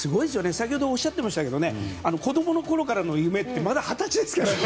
先ほどおっしゃってましたけど子供のころからの夢ってまだ二十歳ですからね。